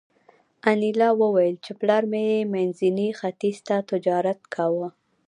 انیلا وویل چې پلار مې منځني ختیځ ته تجارت کاوه